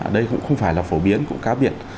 đây cũng không phải là phổ biến cũng cá biệt